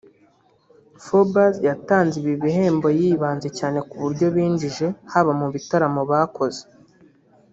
Forbes yatanze ibi bihembo yibanze cyane ku buryo binjije haba mu bitaramo bakoze